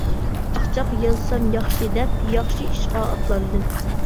چاقچاق يازسام ياخشى دەپ، ياخشى ئىشقا ئاتلاندىم.